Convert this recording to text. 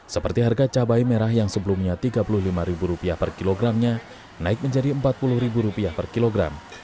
seperti harga cabai merah yang sebelumnya rp tiga puluh lima per kilogramnya naik menjadi rp empat puluh per kilogram